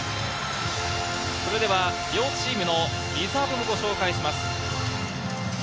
それでは両チームのリザーブもご紹介します。